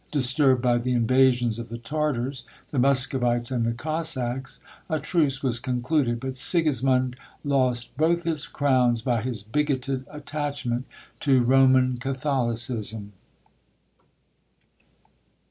Disturbed by the invasions of the Tartars, the Muscovites, and the Cossacs, a truce was concluded; but Sigismond lost both his crowns, by his bigoted attachment to Roman Catholicism.